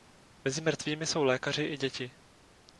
Mezi mrtvými jsou lékaři i děti.